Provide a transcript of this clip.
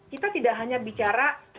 kita tidak hanya bicara